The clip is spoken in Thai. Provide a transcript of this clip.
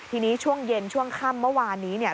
ทีนี้ช่วงเย็นช่วงค่ำเมื่อวานนี้เนี่ย